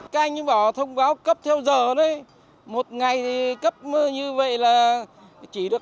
các anh ấy bỏ thông báo cấp theo giờ đấy một ngày thì cấp như vậy là chỉ được